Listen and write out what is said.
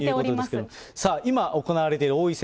さあ、今行われている王位戦